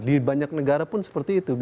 di banyak negara pun seperti itu